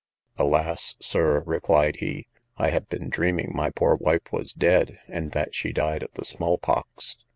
Alas! Sir, replied he, I have been dreaming my poor wife was dead, and that she died of the small pox.